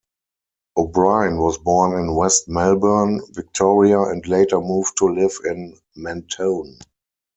O'Brien was born in West Melbourne, Victoria and later moved to live in Mentone.